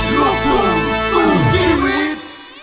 ลูกคุมสู่ชีวิต